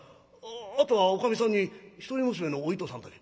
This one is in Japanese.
あとはおかみさんに一人娘のお糸さんだけ。